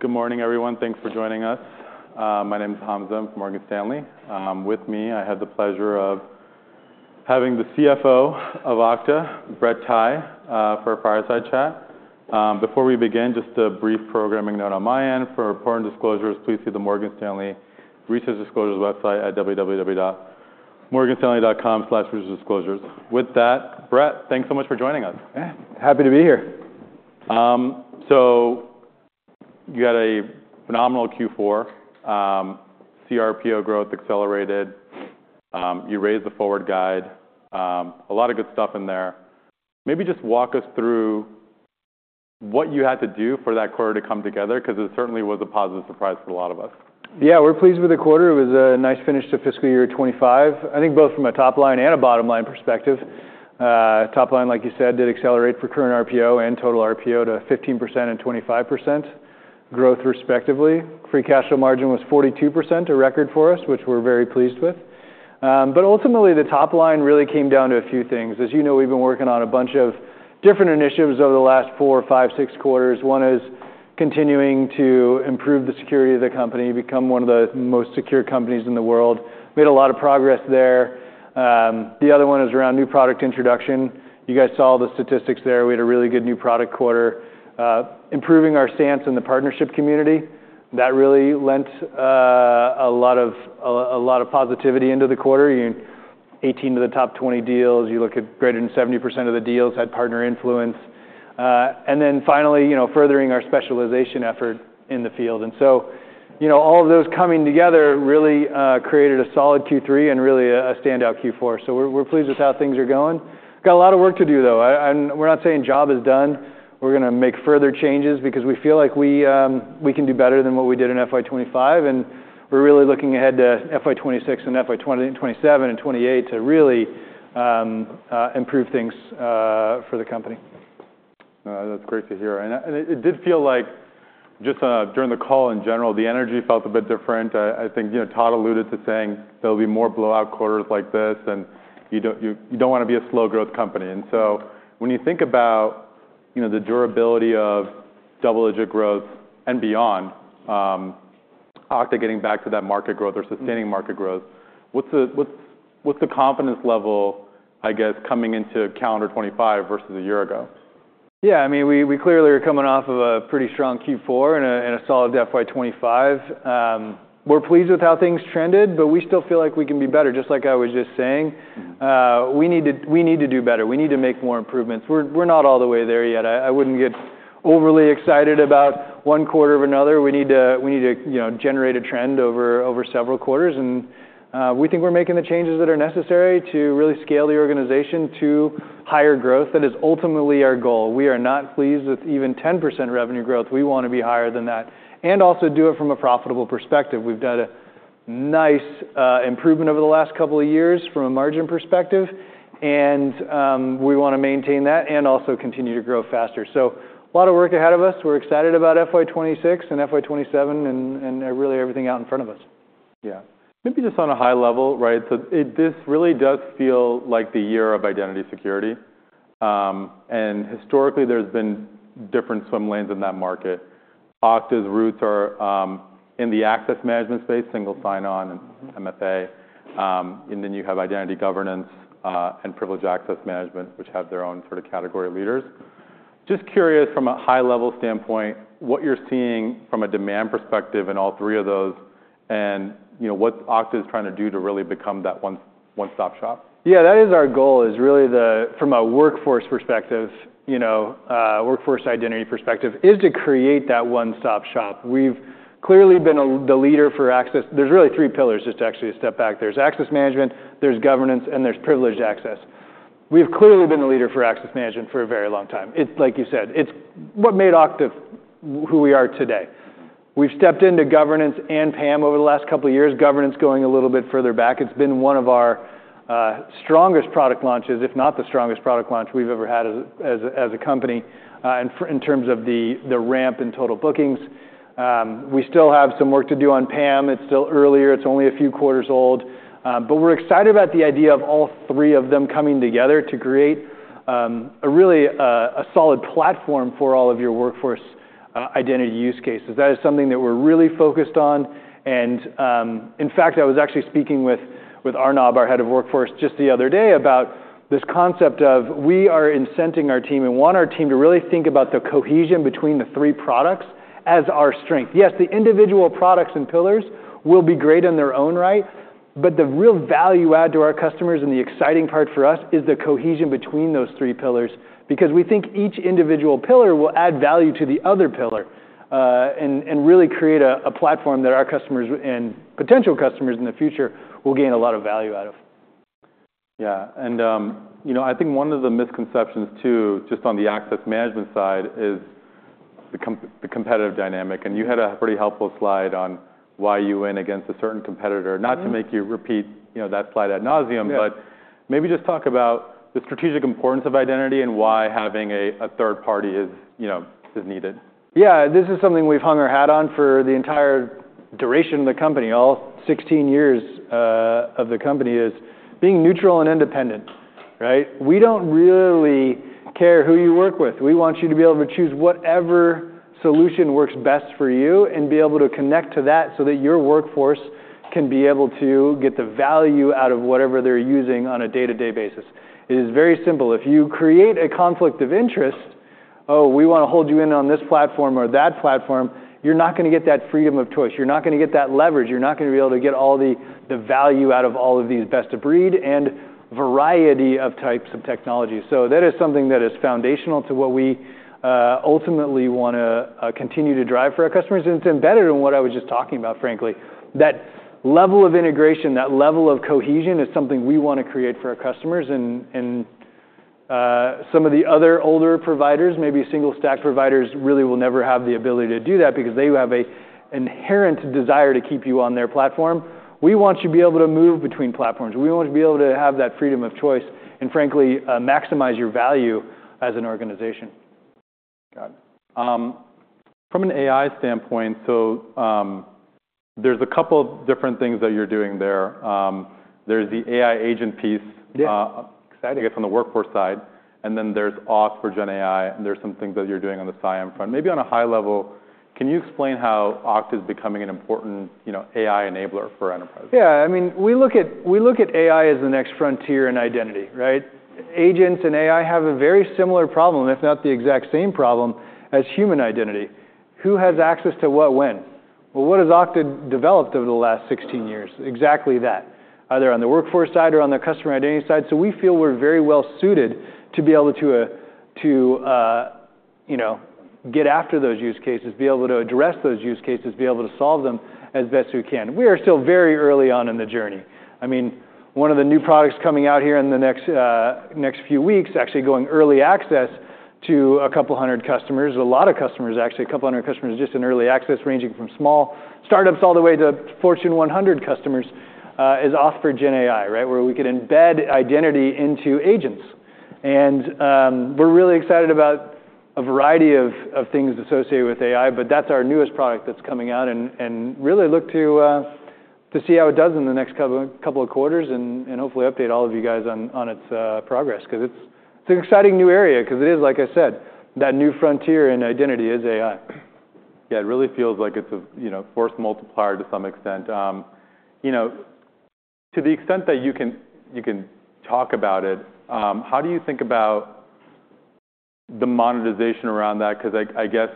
Good morning, everyone. Thanks for joining us. My name is Hamza from Morgan Stanley. With me, I have the pleasure of having the CFO of Okta, Brett Tighe, for a fireside chat. Before we begin, just a brief programming note on my end. For reports and disclosures, please see the Morgan Stanley Research Disclosures website at www.morganstanley.com/researchdisclosures. With that, Brett, thanks so much for joining us. Happy to be here. So you had a phenomenal Q4, CRPO growth accelerated. You raised the forward guide. A lot of good stuff in there. Maybe just walk us through what you had to do for that quarter to come together, because it certainly was a positive surprise for a lot of us. Yeah, we're pleased with the quarter. It was a nice finish to fiscal year 2025, I think both from a top-line and a bottom-line perspective. Top-line, like you said, did accelerate for current RPO and total RPO to 15% and 25% growth respectively. Free cash flow margin was 42%, a record for us, which we're very pleased with. But ultimately, the top-line really came down to a few things. As you know, we've been working on a bunch of different initiatives over the last four, five, six quarters. One is continuing to improve the security of the company, become one of the most secure companies in the world. Made a lot of progress there. The other one is around new product introduction. You guys saw the statistics there. We had a really good new product quarter. Improving our stance in the partnership community, that really lent a lot of positivity into the quarter. In 18 of the top 20 deals, you look at greater than 70% of the deals had partner influence. And then finally, furthering our specialization effort in the field. And so all of those coming together really created a solid Q3 and really a standout Q4. So we're pleased with how things are going. Got a lot of work to do, though. We're not saying job is done. We're going to make further changes because we feel like we can do better than what we did in FY 2025. And we're really looking ahead to FY 2026 and FY 2027 and 2028 to really improve things for the company. That's great to hear. And it did feel like just during the call in general, the energy felt a bit different. I think Todd alluded to saying there'll be more blowout quarters like this, and you don't want to be a slow-growth company. And so when you think about the durability of double-digit growth and beyond, Okta getting back to that market growth or sustaining market growth, what's the confidence level, I guess, coming into calendar 2025 versus a year ago? Yeah, I mean, we clearly are coming off of a pretty strong Q4 and a solid FY 2025. We're pleased with how things trended, but we still feel like we can be better, just like I was just saying. We need to do better. We need to make more improvements. We're not all the way there yet. I wouldn't get overly excited about one quarter or another. We need to generate a trend over several quarters, and we think we're making the changes that are necessary to really scale the organization to higher growth. That is ultimately our goal. We are not pleased with even 10% revenue growth. We want to be higher than that and also do it from a profitable perspective. We've done a nice improvement over the last couple of years from a margin perspective, and we want to maintain that and also continue to grow faster. A lot of work ahead of us. We're excited about FY 2026 and FY 2027 and really everything out in front of us. Yeah. Maybe just on a high level, right, this really does feel like the year of identity security, and historically, there's been different swim lanes in that market. Okta's roots are in the access management space, single sign-on and MFA, and then you have Identity Governance and privileged access management, which have their own sort of category leaders. Just curious from a high-level standpoint, what you're seeing from a demand perspective in all three of those and what Okta is trying to do to really become that one-stop shop? Yeah, that is our goal is really from a workforce perspective, workforce identity perspective, is to create that one-stop shop. We've clearly been the leader for access. There's really three pillars, just to actually step back. There's access management, there's Governance, and there's privileged access. We've clearly been the leader for access management for a very long time. It's like you said, it's what made Okta who we are today. We've stepped into Governance and PAM over the last couple of years, Governance going a little bit further back. It's been one of our strongest product launches, if not the strongest product launch we've ever had as a company in terms of the ramp in total bookings. We still have some work to do on PAM. It's still earlier. It's only a few quarters old. But we're excited about the idea of all three of them coming together to create really a solid platform for all of your workforce identity use cases. That is something that we're really focused on. And in fact, I was actually speaking with Arnab, our head of workforce, just the other day about this concept of we are incenting our team and want our team to really think about the cohesion between the three products as our strength. Yes, the individual products and pillars will be great in their own right, but the real value add to our customers and the exciting part for us is the cohesion between those three pillars, because we think each individual pillar will add value to the other pillar and really create a platform that our customers and potential customers in the future will gain a lot of value out of. Yeah. And I think one of the misconceptions too, just on the access management side, is the competitive dynamic. And you had a pretty helpful slide on why you win against a certain competitor. Not to make you repeat that slide ad nauseam, but maybe just talk about the strategic importance of identity and why having a third party is needed? Yeah, this is something we've hung our hat on for the entire duration of the company, all 16 years of the company, is being neutral and independent. We don't really care who you work with. We want you to be able to choose whatever solution works best for you and be able to connect to that so that your workforce can be able to get the value out of whatever they're using on a day-to-day basis. It is very simple. If you create a conflict of interest, oh, we want to hold you in on this platform or that platform, you're not going to get that freedom of choice. You're not going to get that leverage. You're not going to be able to get all the value out of all of these best-of-breed and variety of types of technologies. That is something that is foundational to what we ultimately want to continue to drive for our customers. And it's embedded in what I was just talking about, frankly. That level of integration, that level of cohesion is something we want to create for our customers. And some of the other older providers, maybe single-stack providers, really will never have the ability to do that because they have an inherent desire to keep you on their platform. We want you to be able to move between platforms. We want you to be able to have that freedom of choice and, frankly, maximize your value as an organization. Got it. From an AI standpoint, so there's a couple of different things that you're doing there. There's the AI agent piece, I guess, on the workforce side. And then there's Auth for GenAI. And there's some things that you're doing on the CIAM front. Maybe on a high level, can you explain how Okta is becoming an important AI enabler for enterprises? Yeah. I mean, we look at AI as the next frontier in identity. Agents and AI have a very similar problem, if not the exact same problem as human identity. Who has access to what when? Well, what has Okta developed over the last 16 years? Exactly that, either on the workforce side or on the customer identity side. So we feel we're very well suited to be able to get after those use cases, be able to address those use cases, be able to solve them as best we can. We are still very early on in the journey. I mean, one of the new products coming out here in the next few weeks, actually going early access to a couple hundred customers, a lot of customers, actually, a couple hundred customers just in early access, ranging from small startups all the way to Fortune 100 customers, is Auth for GenAI, where we can embed identity into agents. And we're really excited about a variety of things associated with AI, but that's our newest product that's coming out. And really look to see how it does in the next couple of quarters and hopefully update all of you guys on its progress because it's an exciting new area because it is, like I said, that new frontier in identity is AI. Yeah, it really feels like it's a force multiplier to some extent. To the extent that you can talk about it, how do you think about the monetization around that? Because I guess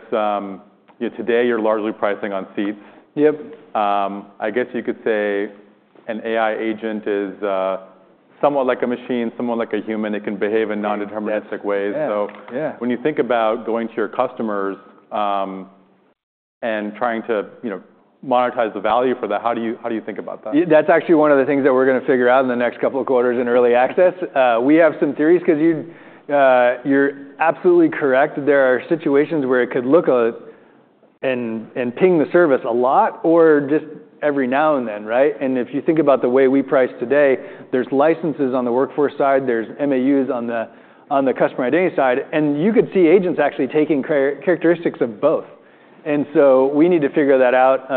today you're largely pricing on seats. Yep. I guess you could say an AI agent is somewhat like a machine, somewhat like a human. It can behave in non-deterministic ways. So when you think about going to your customers and trying to monetize the value for that, how do you think about that? That's actually one of the things that we're going to figure out in the next couple of quarters in early access. We have some theories because you're absolutely correct. There are situations where it could look and ping the service a lot or just every now and then. And if you think about the way we price today, there's licenses on the workforce side. There's MAUs on the customer identity side. And you could see agents actually taking characteristics of both. And so we need to figure that out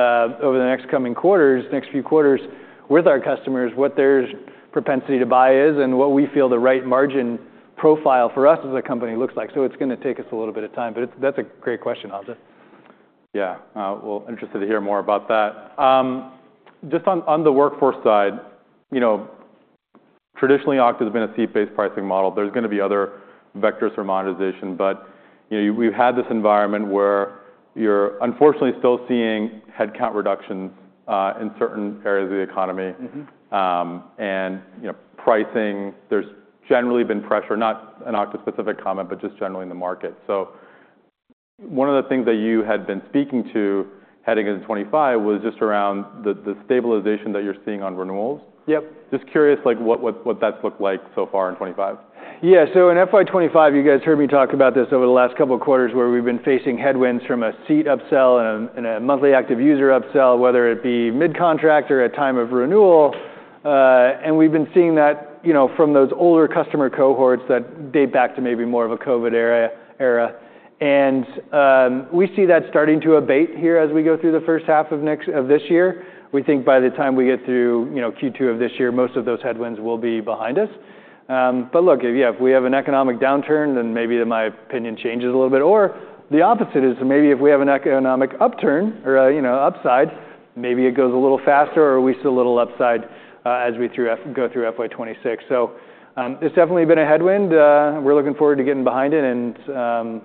over the next coming quarters, next few quarters with our customers, what their propensity to buy is and what we feel the right margin profile for us as a company looks like. So it's going to take us a little bit of time, but that's a great question, Hamza. Yeah. Well, interested to hear more about that. Just on the workforce side, traditionally, Okta has been a seat-based pricing model. There's going to be other vectors for monetization. But we've had this environment where you're unfortunately still seeing headcount reductions in certain areas of the economy, and pricing. There's generally been pressure, not an Okta-specific comment, but just generally in the market, so one of the things that you had been speaking to heading into 2025 was just around the stabilization that you're seeing on renewals. Yep. Just curious what that's looked like so far in 2025? Yeah. So in FY 2025, you guys heard me talk about this over the last couple of quarters where we've been facing headwinds from a seat upsell and a monthly active user upsell, whether it be mid-contract or at time of renewal. And we've been seeing that from those older customer cohorts that date back to maybe more of a COVID era. And we see that starting to abate here as we go through the first half of this year. We think by the time we get through Q2 of this year, most of those headwinds will be behind us. But look, yeah, if we have an economic downturn, then maybe my opinion changes a little bit. Or the opposite is maybe if we have an economic upturn or upside, maybe it goes a little faster or we see a little upside as we go through FY 2026. So it's definitely been a headwind. We're looking forward to getting behind it. And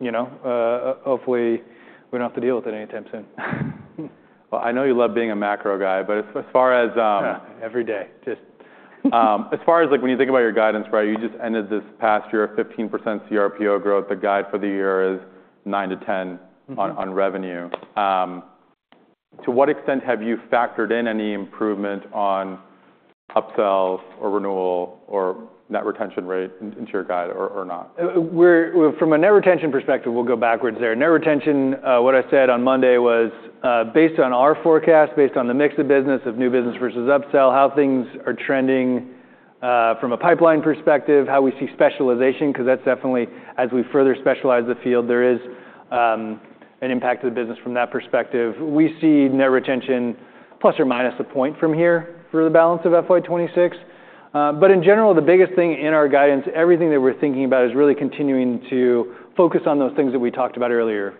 hopefully, we don't have to deal with it anytime soon. I know you love being a macro guy, but as far as every day, just as far as when you think about your guidance, right, you just ended this past year at 15% CRPO growth. The guide for the year is 9%-10% on revenue. To what extent have you factored in any improvement on upsells or renewal or net retention rate into your guide or not? From a net retention perspective, we'll go backwards there. Net retention, what I said on Monday was based on our forecast, based on the mix of business of new business versus upsell, how things are trending from a pipeline perspective, how we see specialization, because that's definitely as we further specialize the field, there is an impact to the business from that perspective. We see net retention plus or minus a point from here for the balance of FY 2026. But in general, the biggest thing in our guidance, everything that we're thinking about is really continuing to focus on those things that we talked about earlier,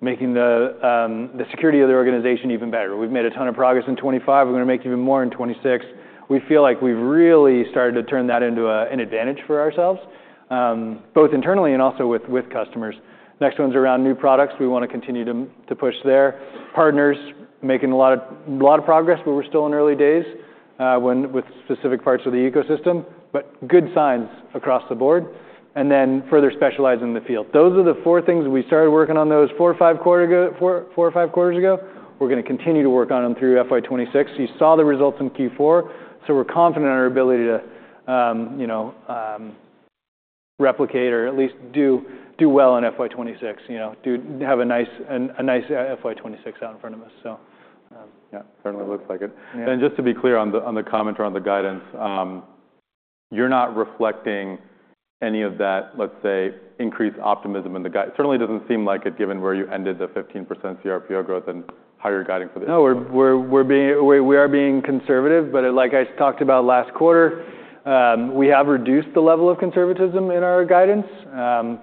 making the security of the organization even better. We've made a ton of progress in 2025. We're going to make even more in 2026. We feel like we've really started to turn that into an advantage for ourselves, both internally and also with customers. Next one's around new products. We want to continue to push there. Partners making a lot of progress, but we're still in early days with specific parts of the ecosystem, but good signs across the board, and then further specialize in the field. Those are the four things we started working on those four or five quarters ago. We're going to continue to work on them through FY 2026. You saw the results in Q4, so we're confident in our ability to replicate or at least do well in FY 2026, have a nice FY 2026 out in front of us. Yeah, certainly looks like it. And just to be clear on the comment around the guidance, you're not reflecting any of that, let's say, increased optimism in the guidance. Certainly doesn't seem like it, given where you ended the 15% CRPO growth and how you're guiding for this. No, we are being conservative. But like I talked about last quarter, we have reduced the level of conservatism in our guidance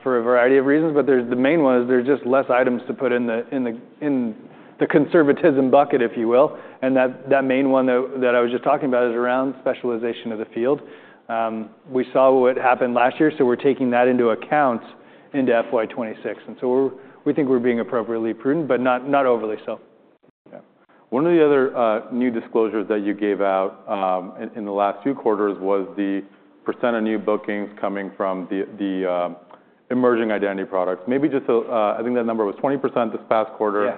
for a variety of reasons. But the main one is there's just less items to put in the conservatism bucket, if you will. And that main one that I was just talking about is around specialization of the field. We saw what happened last year. So we're taking that into account into FY 2026. And so we think we're being appropriately prudent, but not overly so. One of the other new disclosures that you gave out in the last few quarters was the % of new bookings coming from the emerging identity products. Maybe just, I think that number was 20% this past quarter.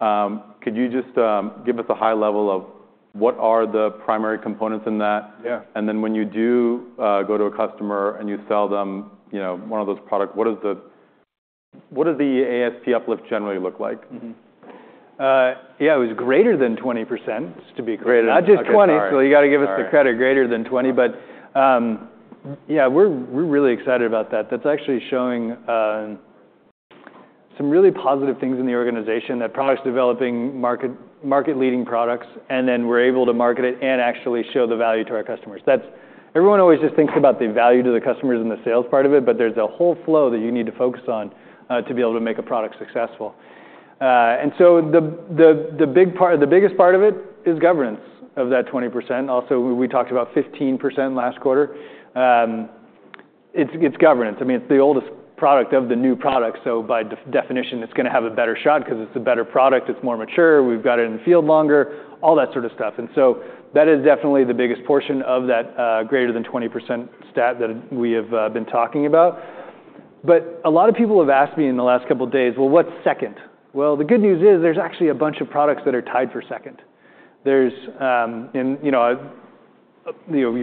Could you just give us a high level of what are the primary components in that? And then when you do go to a customer and you sell them one of those products, what does the ASP uplift generally look like? Yeah, it was greater than 20%, just to be clear. Not just 20. So you got to give us the credit, greater than 20. But yeah, we're really excited about that. That's actually showing some really positive things in the organization, that products developing market-leading products, and then we're able to market it and actually show the value to our customers. Everyone always just thinks about the value to the customers and the sales part of it, but there's a whole flow that you need to focus on to be able to make a product successful, and so the biggest part of it is Governance of that 20%. Also, we talked about 15% last quarter. It's Governance. I mean, it's the oldest product of the new products. So by definition, it's going to have a better shot because it's a better product. It's more mature. We've got it in the field longer, all that sort of stuff. And so that is definitely the biggest portion of that greater than 20% stat that we have been talking about. But a lot of people have asked me in the last couple of days, well, what's second? Well, the good news is there's actually a bunch of products that are tied for second. You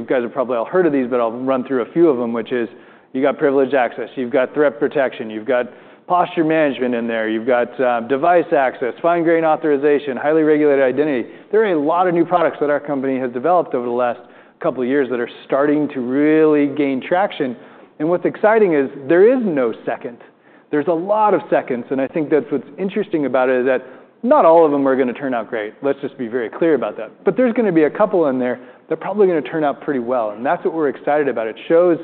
guys have probably all heard of these, but I'll run through a few of them, which is you've got Privileged Access. You've got Threat Protection. You've got Posture Management in there. You've got Device Access, Fine-Grained Authorization, Highly Regulated Identity. There are a lot of new products that our company has developed over the last couple of years that are starting to really gain traction. And what's exciting is there is no second. There's a lot of seconds. And I think that's what's interesting about it is that not all of them are going to turn out great. Let's just be very clear about that. But there's going to be a couple in there that are probably going to turn out pretty well. And that's what we're excited about. It shows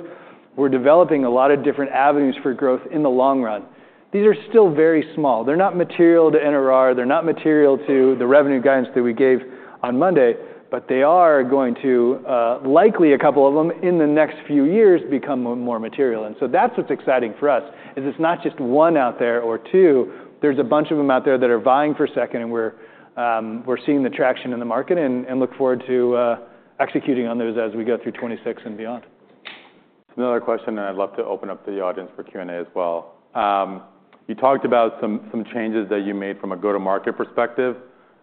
we're developing a lot of different avenues for growth in the long run. These are still very small. They're not material to NRR. They're not material to the revenue guidance that we gave on Monday. But they are going to, likely a couple of them in the next few years, become more material. And so that's what's exciting for us is it's not just one out there or two. There's a bunch of them out there that are vying for second, and we're seeing the traction in the market and look forward to executing on those as we go through 2026 and beyond. Another question, and I'd love to open up the audience for Q&A as well. You talked about some changes that you made from a go-to-market perspective,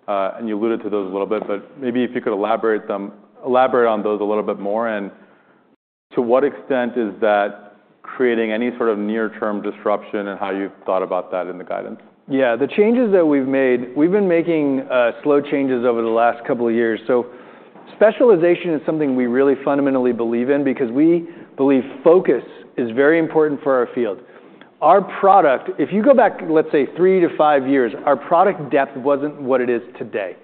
and you alluded to those a little bit, but maybe if you could elaborate on those a little bit more, and to what extent is that creating any sort of near-term disruption and how you've thought about that in the guidance? Yeah, the changes that we've made, we've been making slow changes over the last couple of years. So specialization is something we really fundamentally believe in because we believe focus is very important for our field. Our product, if you go back, let's say, three to five years, our product depth wasn't what it is today.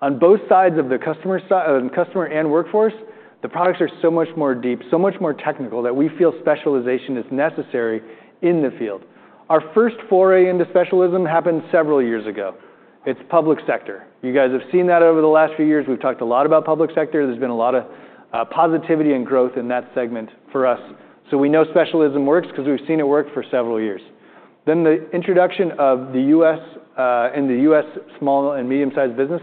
On both sides of the customer and workforce, the products are so much more deep, so much more technical that we feel specialization is necessary in the field. Our first foray into specialism happened several years ago. It's public sector. You guys have seen that over the last few years. We've talked a lot about public sector. There's been a lot of positivity and growth in that segment for us. So we know specialism works because we've seen it work for several years. Then, the introduction of the U.S. and the U.S. small and medium-sized business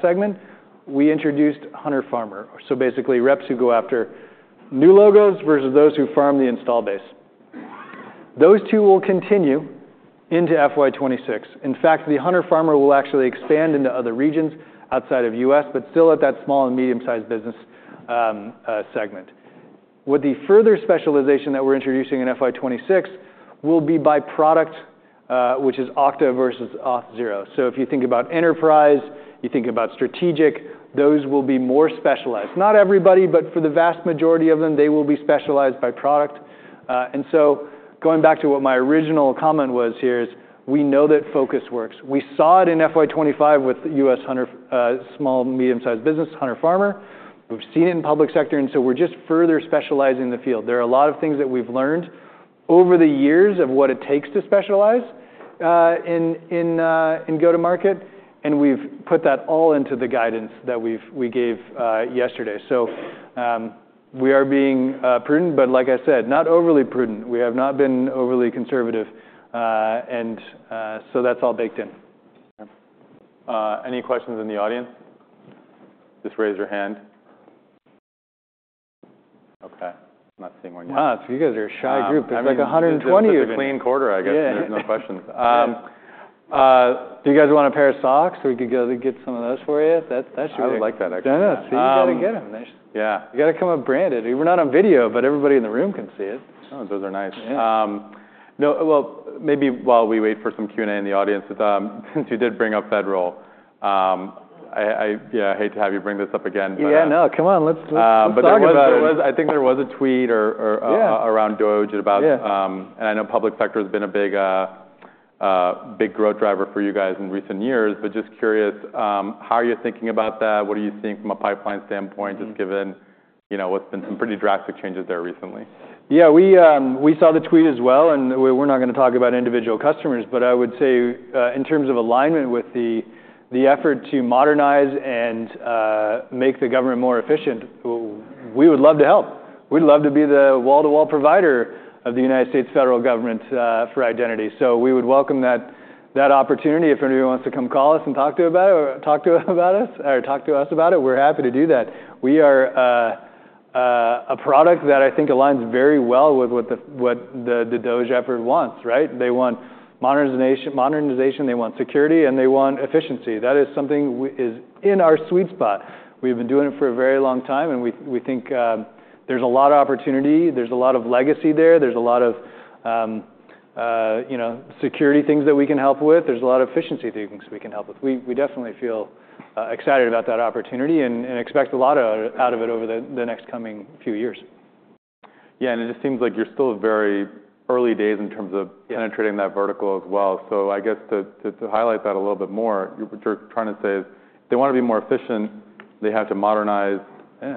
segment, we introduced Hunter Farmer. So basically, reps who go after new logos versus those who farm the install base. Those two will continue into FY 2026. In fact, the Hunter Farmer will actually expand into other regions outside of U.S., but still at that small and medium-sized business segment. With the further specialization that we're introducing in FY 2026, we'll be by product, which is Okta versus Auth0. So if you think about enterprise, you think about strategic, those will be more specialized. Not everybody, but for the vast majority of them, they will be specialized by product. And so going back to what my original comment was here is we know that focus works. We saw it in FY 2025 with U.S. small and medium-sized business, Hunter Farmer. We've seen it in public sector. We're just further specializing the field. There are a lot of things that we've learned over the years of what it takes to specialize in go-to-market. We've put that all into the guidance that we gave yesterday. We are being prudent, but like I said, not overly prudent. We have not been overly conservative. That's all baked in. Any questions in the audience? Just raise your hand. Okay. I'm not seeing one. Huh, so you guys are a shy group. There's like 120 of you. This is a clean quarter, I guess. There's no questions. Do you guys want a pair of socks so we could go get some of those for you? I would like that, actually. Don't know, so you got to get them. Yeah. You got to come up branded. We're not on video, but everybody in the room can see it. Oh, those are nice. Well, maybe while we wait for some Q&A in the audience, since you did bring up federal, yeah, I hate to have you bring this up again. Yeah, no, come on. Let's talk about it. I think there was a tweet around DOGE about, and I know public sector has been a big growth driver for you guys in recent years, but just curious, how are you thinking about that? What do you think from a pipeline standpoint, just given what's been some pretty drastic changes there recently? Yeah, we saw the tweet as well. And we're not going to talk about individual customers, but I would say in terms of alignment with the effort to modernize and make the government more efficient, we would love to help. We'd love to be the wall-to-wall provider of the United States Federal Government for identity. So we would welcome that opportunity. If anybody wants to come call us and talk to us about it, we're happy to do that. We are a product that I think aligns very well with what the DOGE effort wants, right? They want modernization. They want security, and they want efficiency. That is something that is in our sweet spot. We've been doing it for a very long time. And we think there's a lot of opportunity. There's a lot of legacy there. There's a lot of security things that we can help with. There's a lot of efficiency things we can help with. We definitely feel excited about that opportunity and expect a lot out of it over the next coming few years. Yeah, and it just seems like you're still very early days in terms of penetrating that vertical as well. So I guess to highlight that a little bit more, what you're trying to say is they want to be more efficient. They have to modernize,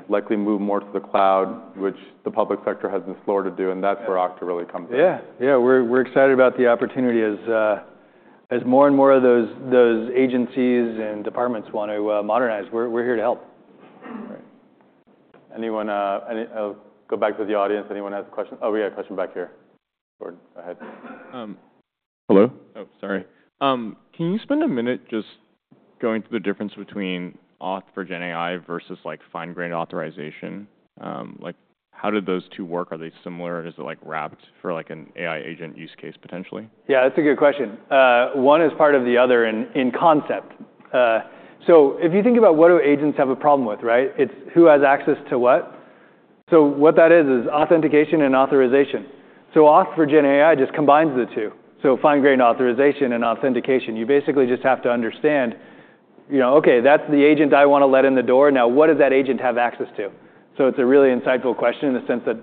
likely move more to the cloud, which the public sector has a lot to do. And that's where Okta really comes in. Yeah, yeah, we're excited about the opportunity as more and more of those agencies and departments want to modernize. We're here to help. I'll go back to the audience. Anyone has a question? Oh, we got a question back here. [Gordon], go ahead. Hello. Oh, sorry. Can you spend a minute just going through the difference between Auth for GenAI versus fine-grained authorization? How do those two work? Are they similar? Is it wrapped for an AI agent use case, potentially? Yeah, that's a good question. One is part of the other in concept. So if you think about what do agents have a problem with, right? It's who has access to what. So what that is, is authentication and authorization. So Auth for GenAI just combines the two. So fine-grained authorization and authentication. You basically just have to understand, okay, that's the agent I want to let in the door. Now, what does that agent have access to? So it's a really insightful question in the sense that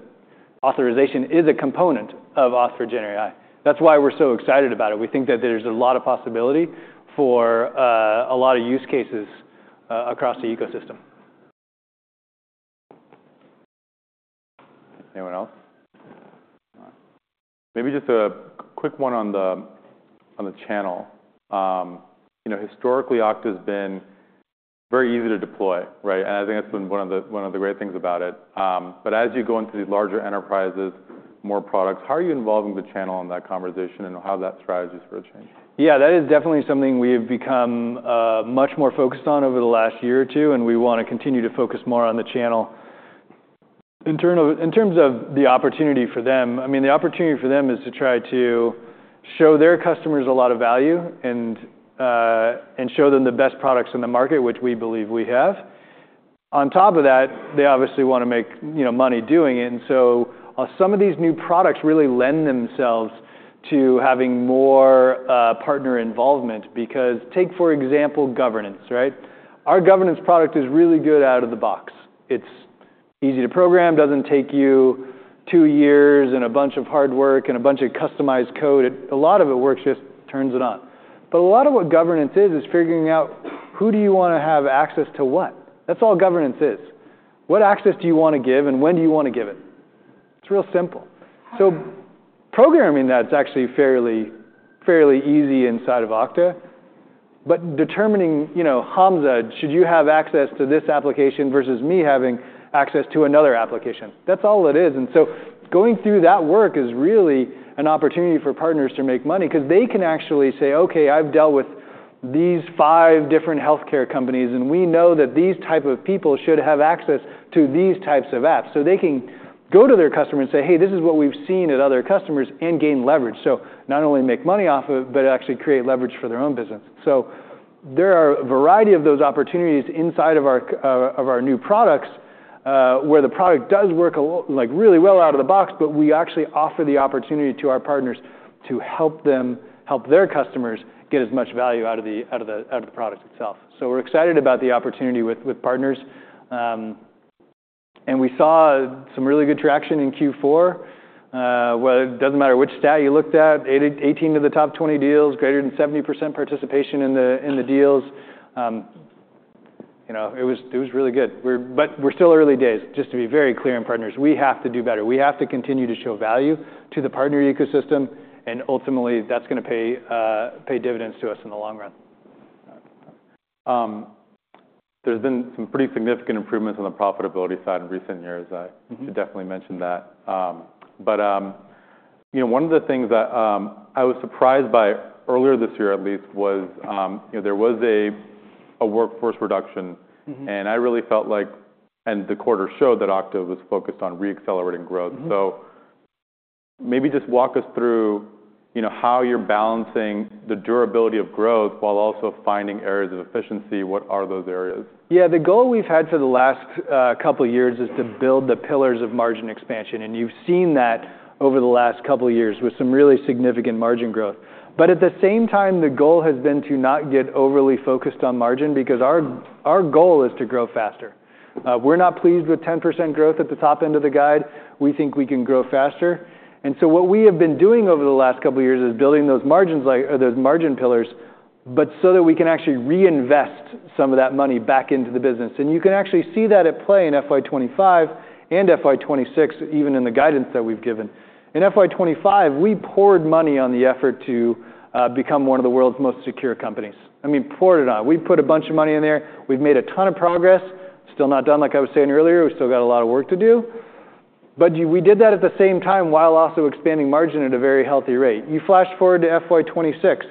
authorization is a component of Auth for GenAI. That's why we're so excited about it. We think that there's a lot of possibility for a lot of use cases across the ecosystem. Anyone else? Maybe just a quick one on the channel. Historically, Okta has been very easy to deploy, right? And I think that's been one of the great things about it. But as you go into these larger enterprises, more products, how are you involving the channel in that conversation and how have you had strategies for that change? Yeah, that is definitely something we have become much more focused on over the last year or two. And we want to continue to focus more on the channel in terms of the opportunity for them. I mean, the opportunity for them is to try to show their customers a lot of value and show them the best products in the market, which we believe we have. On top of that, they obviously want to make money doing it. And so some of these new products really lend themselves to having more partner involvement because take, for example, Governance, right? Our Governance product is really good out of the box. It's easy to program, doesn't take you two years and a bunch of hard work and a bunch of customized code. A lot of it just works. Turn it on. But a lot of what Governance is, is figuring out who do you want to have access to what. That's all Governance is. What access do you want to give and when do you want to give it? It's real simple. So, programming that's actually fairly easy inside of Okta. But determining, Hamza, should you have access to this application versus me having access to another application. That's all it is. And so going through that work is really an opportunity for partners to make money because they can actually say, okay, I've dealt with these five different healthcare companies. And we know that these type of people should have access to these types of apps. So they can go to their customer and say, hey, this is what we've seen at other customers and gain leverage. So not only make money off of it, but actually create leverage for their own business. So there are a variety of those opportunities inside of our new products where the product does work really well out of the box, but we actually offer the opportunity to our partners to help them help their customers get as much value out of the product itself. So we're excited about the opportunity with partners. And we saw some really good traction in Q4. It doesn't matter which stat you looked at, 18 of the top 20 deals, greater than 70% participation in the deals. It was really good. But we're still early days. Just to be very clear on partners, we have to do better. We have to continue to show value to the partner ecosystem. And ultimately, that's going to pay dividends to us in the long run. There's been some pretty significant improvements on the profitability side in recent years. I should definitely mention that. But one of the things that I was surprised by earlier this year, at least, was there was a workforce reduction. And I really felt like, and the quarter showed that Okta was focused on re-accelerating growth. So maybe just walk us through how you're balancing the durability of growth while also finding areas of efficiency. What are those areas? Yeah, the goal we've had for the last couple of years is to build the pillars of margin expansion. And you've seen that over the last couple of years with some really significant margin growth. But at the same time, the goal has been to not get overly focused on margin because our goal is to grow faster. We're not pleased with 10% growth at the top end of the guide. We think we can grow faster. And so what we have been doing over the last couple of years is building those margin pillars, but so that we can actually reinvest some of that money back into the business. And you can actually see that at play in FY 2025 and FY 2026, even in the guidance that we've given. In FY 2025, we poured money on the effort to become one of the world's most secure companies. I mean, poured it on. We put a bunch of money in there. We've made a ton of progress. Still not done, like I was saying earlier. We still got a lot of work to do. But we did that at the same time while also expanding margin at a very healthy rate. You flash forward to FY 2026.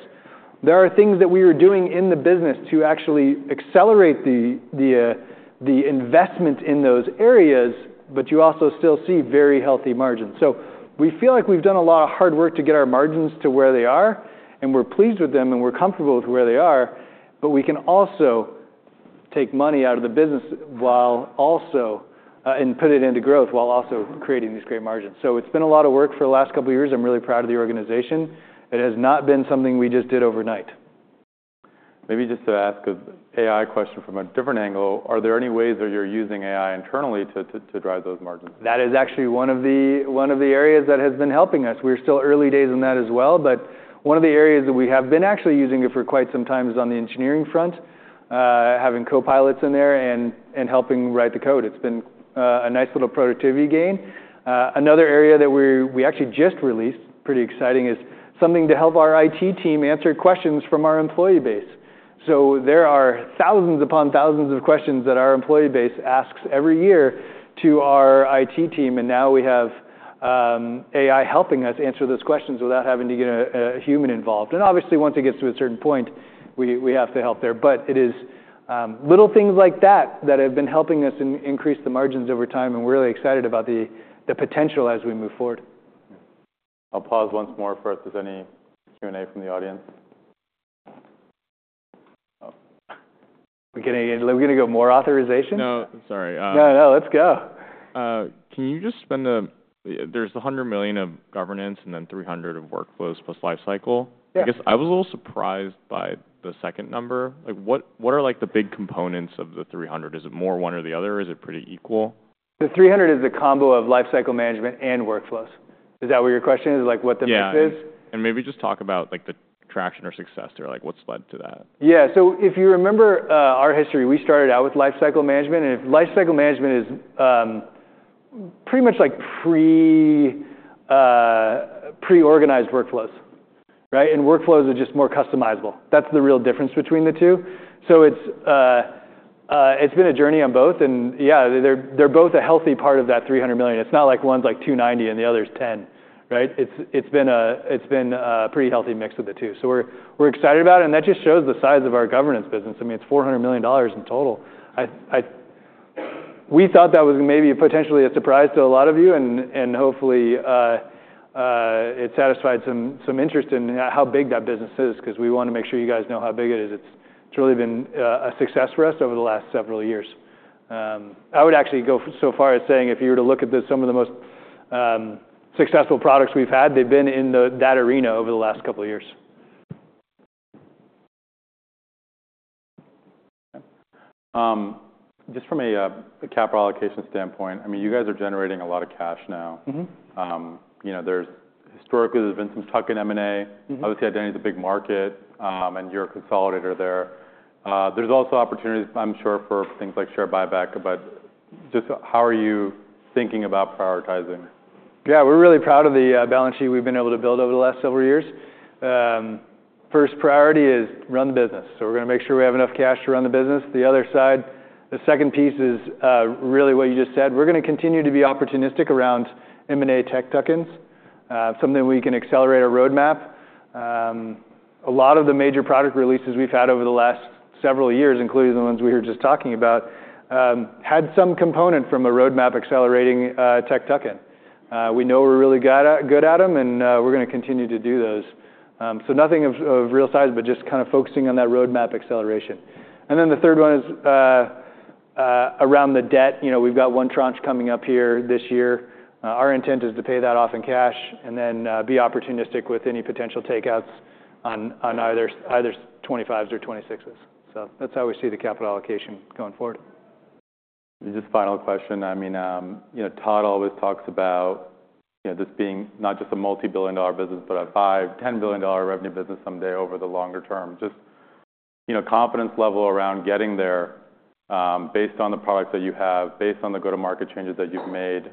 There are things that we were doing in the business to actually accelerate the investment in those areas, but you also still see very healthy margins. So we feel like we've done a lot of hard work to get our margins to where they are. And we're pleased with them. And we're comfortable with where they are. But we can also take money out of the business and put it into growth while also creating these great margins. So it's been a lot of work for the last couple of years. I'm really proud of the organization. It has not been something we just did overnight. Maybe just to ask an AI question from a different angle, are there any ways that you're using AI internally to drive those margins? That is actually one of the areas that has been helping us. We're still early days in that as well. But one of the areas that we have been actually using it for quite some time is on the engineering front, having copilots in there and helping write the code. It's been a nice little productivity gain. Another area that we actually just released, pretty exciting, is something to help our IT team answer questions from our employee base. So there are thousands upon thousands of questions that our employee base asks every year to our IT team. And now we have AI helping us answer those questions without having to get a human involved. And obviously, once it gets to a certain point, we have to help there. But it is little things like that that have been helping us increase the margins over time. We're really excited about the potential as we move forward. I'll pause once more for if there's any Q&A from the audience. We're going to go more authorization? No, sorry. No, no, let's go. Can you just spend a? There's $100 million of Governance and then $300 million of Workflows plus Lifecycle. I guess I was a little surprised by the second number. What are the big components of the 300? Is it more one or the other? Is it pretty equal? The 300 is a combo of Lifecycle Management and Workflows. Is that what your question is? What the mix is? Yeah. And maybe just talk about the traction or success there. What's led to that? Yeah, so if you remember our history, we started out with Lifecycle Management, and Lifecycle Management is pretty much like pre-organized Workflows, right? And Workflows are just more customizable. That's the real difference between the two, so it's been a journey on both, and yeah, they're both a healthy part of that $300 million. It's not like one's like $290 million and the other's $10 million, right? It's been a pretty healthy mix of the two. So we're excited about it, and that just shows the size of our Governance business. I mean, it's $400 million in total. We thought that was maybe potentially a surprise to a lot of you, and hopefully, it satisfied some interest in how big that business is because we want to make sure you guys know how big it is. It's really been a success for us over the last several years. I would actually go so far as saying if you were to look at some of the most successful products we've had, they've been in that arena over the last couple of years. Just from a capital allocation standpoint, I mean, you guys are generating a lot of cash now. Historically, there's been some tuck in M&A. Obviously, identity is a big market. And you're a consolidator there. There's also opportunities, I'm sure, for things like share buyback. But just how are you thinking about prioritizing? Yeah, we're really proud of the balance sheet we've been able to build over the last several years. First priority is run the business. So we're going to make sure we have enough cash to run the business. The other side, the second piece is really what you just said. We're going to continue to be opportunistic around M&A tech tuck-ins, something we can accelerate our roadmap. A lot of the major product releases we've had over the last several years, including the ones we were just talking about, had some component from a roadmap accelerating tech tuck-in. We know we're really good at them. And we're going to continue to do those. So nothing of real size, but just kind of focusing on that roadmap acceleration. And then the third one is around the debt. We've got one tranche coming up here this year. Our intent is to pay that off in cash and then be opportunistic with any potential takeouts on either 25s or 26s. So that's how we see the capital allocation going forward. Just a final question. I mean, Todd always talks about this being not just a multi-billion-dollar business, but a $5-$10 billion revenue business someday over the longer term. Just confidence level around getting there based on the products that you have, based on the go-to-market changes that you've made,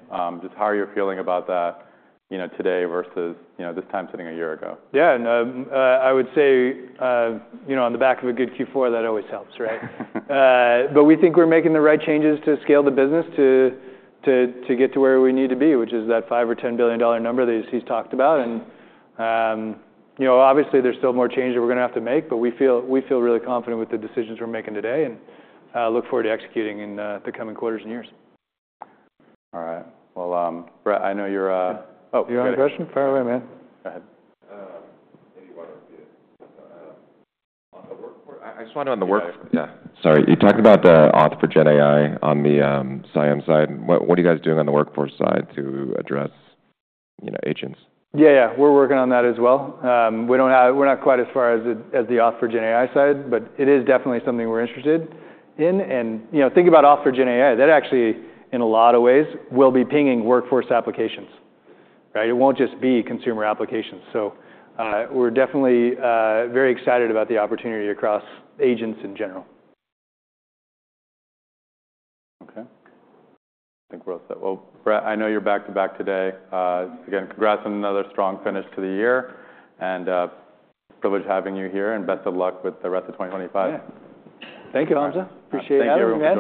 just how are you feeling about that today versus this time sitting a year ago? Yeah, and I would say on the back of a good Q4, that always helps, right? But we think we're making the right changes to scale the business to get to where we need to be, which is that $5 or $10 billion number that he's talked about. And obviously, there's still more change that we're going to have to make. But we feel really confident with the decisions we're making today and look forward to executing in the coming quarters and years. All right. Well, Brett, I know you're oh, go ahead. You got a question? Fire away, man. Go ahead. Yeah, sorry. You talked about the Auth for GenAI on the CIAM side. What are you guys doing on the workforce side to address agents? Yeah, yeah. We're working on that as well. We're not quite as far as the Auth for GenAI side. But it is definitely something we're interested in. And think about Auth for GenAI. That actually, in a lot of ways, will be pinging workforce applications, right? It won't just be consumer applications. So we're definitely very excited about the opportunity across agents in general. OK. I think we're all set. Well, Brett, I know you're back to back today. Again, congrats on another strong finish to the year. It's a privilege having you here. Best of luck with the rest of 2025. Thank you, Hamza. Appreciate it. Thank you.